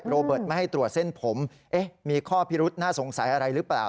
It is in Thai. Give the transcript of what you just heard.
โรเบิร์ตไม่ให้ตรวจเส้นผมมีข้อพิรุษน่าสงสัยอะไรหรือเปล่า